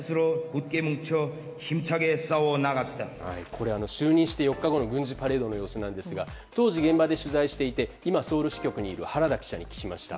これ、就任して４日後の軍事パレードの様子なんですが当時、現場で取材していて今、ソウル支局にいる原田記者に聞きました。